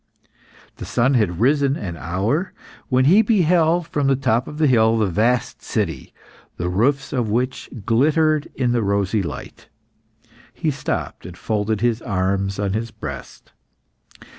The sun had risen an hour, when he beheld, from the top of a hill, the vast city, the roofs of which glittered in the rosy light. He stopped, and folded his arms on his breast.